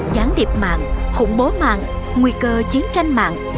gián điệp mạng khủng bố mạng nguy cơ chiến tranh mạng